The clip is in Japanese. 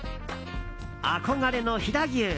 憧れの飛騨牛。